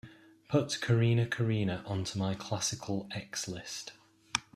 Put Corrina, Corrina onto my classical x list.